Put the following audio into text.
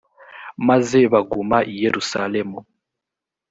maze baguma i yerusalemu